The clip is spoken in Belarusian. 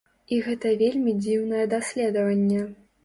І гэта вельмі дзіўнае даследаванне.